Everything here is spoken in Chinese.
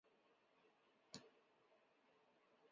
蒋可心。